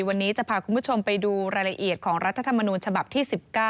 วันนี้จะพาคุณผู้ชมไปดูรายละเอียดของรัฐธรรมนูญฉบับที่๑๙